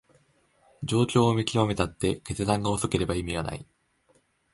状況を見極めたって決断が遅ければ意味はない